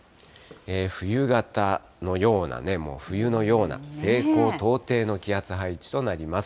冬型のような、もう冬のような西高東低の気圧配置となります。